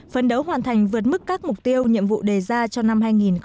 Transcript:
phấn đấu hoàn thành vượt mức các mục tiêu nhiệm vụ đề ra cho năm hai nghìn hai mươi